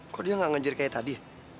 kok dia gak ngejar kayak tadi